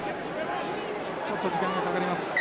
ちょっと時間がかかります。